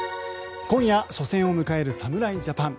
今夜、初戦を迎える侍ジャパン。